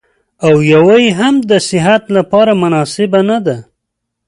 او يوه يې هم د صحت لپاره مناسبه نه ده.